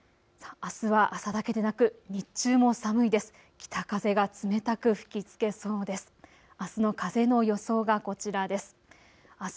あすは朝だけでなく日中も寒いです。